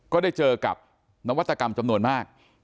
ก็ได้เจอกับนวัตกรรมจำนวนมาก